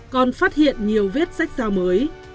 còn phát hiện nhiều viết sách sao mới